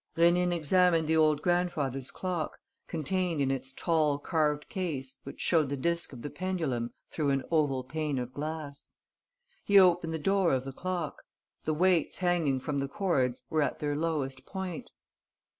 Rénine examined the old grandfather's clock, contained in its tall carved case which showed the disk of the pendulum through an oval pane of glass. He opened the door of the clock. The weights hanging from the cords were at their lowest point.